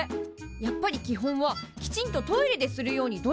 やっぱり基本はきちんとトイレでするように努力すること。